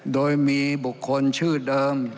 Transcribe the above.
โดยมีบุคคลชื่อเดิม